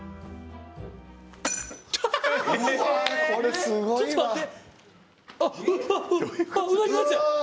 これ、すごいわ！